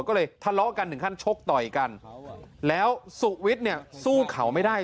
ก็เลยทะเลาะกันถึงขั้นชกต่อยกันแล้วสุวิทย์เนี่ยสู้เขาไม่ได้